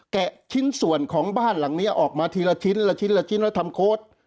แกะชิ้นส่วนของบ้านหลังนี้ออกมาทีละชิ้นและทำโค้ด